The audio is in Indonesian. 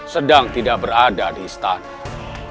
sedang tidak bisa dianggap sebagai degrees voor orde vanorand